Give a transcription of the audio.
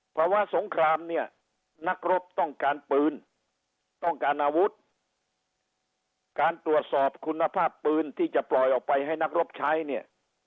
ภาวะสงครามเนี่ยนักรบต้องการปืนต้องการอาวุธการตรวจสอบคุณภาพปืนที่จะปล่อยออกไปให้นักรบใช้เนี่ย